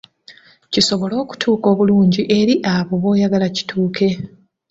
Kisobole okutuuka obulungi eri abo b’oyagala kituuke.